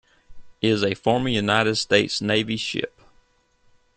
is a former United States Navy ship.